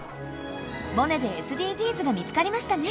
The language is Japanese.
「モネ」でＳＤＧｓが見つかりましたね！